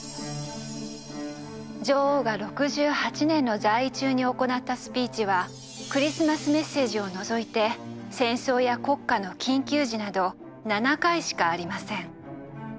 女王が６８年の在位中に行ったスピーチはクリスマスメッセージを除いて戦争や国家の緊急時など７回しかありません。